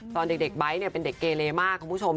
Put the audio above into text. ตอนเด็กไบท์เป็นเด็กเกเลมากคุณผู้ชม